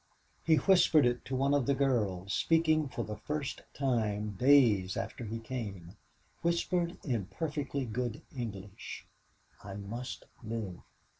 He whispered it to one of the girls, speaking for the first time days after he came, whispered in perfectly good English, 'I must live.'